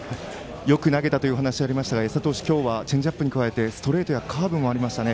よく投げたという話がありましたが、安田投手チェンジアップに加えてストレートやカーブもありましたね。